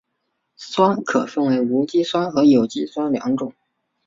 酸可分为无机酸和有机酸两种。